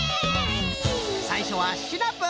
さいしょはシナプー。